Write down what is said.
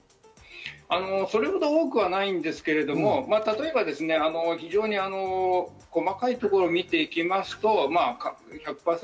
それほどは多くないですけれども、例えば非常に細かいところを見ていきますと、１００％